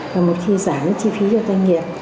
và một khi giảm cái chi phí cho doanh nghiệp